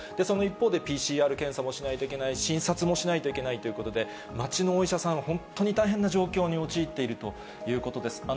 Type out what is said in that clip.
その一方で、ＰＣＲ検査もしないといけない、診察もしないといけないということで、町のお医者さんは本当に大変な状況に陥っているということです。